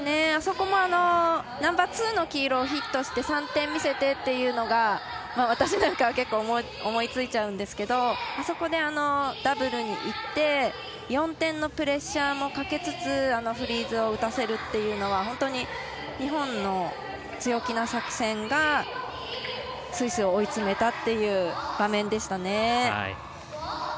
そこもナンバーツーの黄色をヒットして３点見せてっていうのが私なんかは結構思いついちゃうんですけどそこでダブルにいって４点のプレッシャーもかけつつあのフリーズを打たせるっていうのは本当に日本の強気な作戦がスイスを追い詰めたっていう場面でしたね。